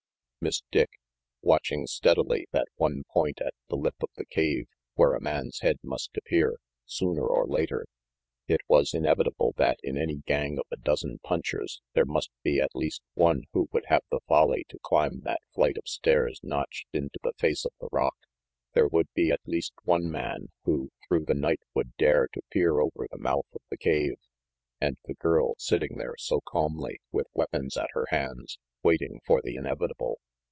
Miss Dick, watching steadily that one point at the lip of the cave where a man's head must appear, sooner or later! It was inevitable that in any gang of a dozen punchers there must be at least one who would have the folly to climb that flight of stairs notched into the face of the rock; there would be at least one man who through the night would dare to peer over the mouth of the cave. And the girl sitting there so calmly, with weapons at her hands, waiting for the inevitable.